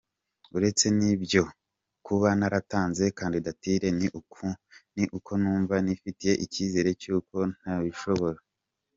Uretse n’ibyo, kuba naratanze kandidatire ni uko numva nifitiye icyizere cy’uko nabishobora”.